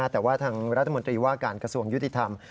แต่ว่าทางรัฐมนตรีว่าการกระทรวงยุติธรรม